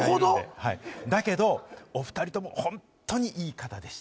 だけど、お２人とも本当にいい方でした。